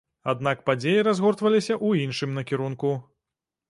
Аднак падзеі разгортваліся ў іншым накірунку.